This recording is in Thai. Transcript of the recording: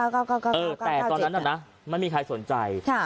ใช่๙๙๙๙๙๗แต่ตอนนั้นน่ะนะไม่มีใครสนใจค่ะ